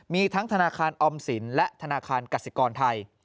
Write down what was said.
มีทั้งธนาคารออมสินและธนาคารกสิกรไทย